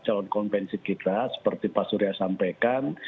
calon konvensi kita seperti pak surya sampaikan